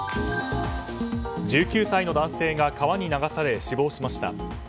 １９歳の男性が川に流され死亡しました。